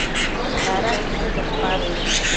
Ada chicho chopash ?